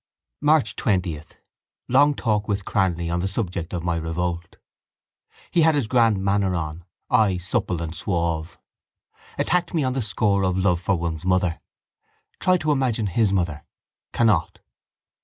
March 20. Long talk with Cranly on the subject of my revolt. He had his grand manner on. I supple and suave. Attacked me on the score of love for one's mother. Tried to imagine his mother: cannot.